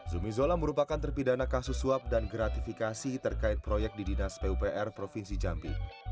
zumi zola merupakan terpidana kasus suap dan gratifikasi terkait proyek di dinas pupr provinsi jambi